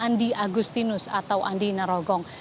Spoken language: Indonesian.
yang membuatkan andi agustinus atau andi narogong